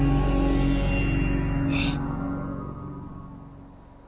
えっ！？